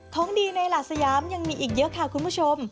ของดีในหลาดสยามยังมีอีกเยอะค่ะคุณผู้ชม